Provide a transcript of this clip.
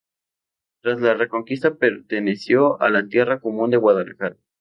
Tras la reconquista perteneció a la Tierra Común de Guadalajara.